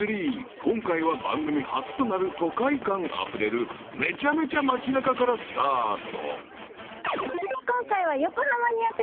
［今回は番組初となる都会感あふれるめちゃめちゃ街中からスタート］